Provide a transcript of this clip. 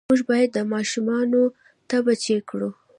مور باید د ماشوم تبه چیک کړي۔